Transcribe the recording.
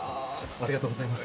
ありがとうございます。